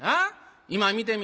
今見てみ。